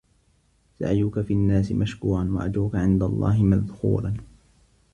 سَعْيُك فِي النَّاسِ مَشْكُورًا ، وَأَجْرُك عِنْدَ اللَّهِ مَذْخُورًا